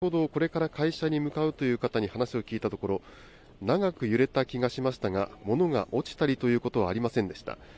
先ほど、これから会社に向かうという方に話を聞いたところ、長く揺れた気がしましたが、物が落ちたりということはありませんでした。